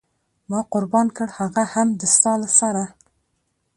ما قربان کړ هغه هم د ستا له سره.